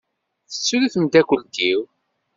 Tettru temdakelt-iw.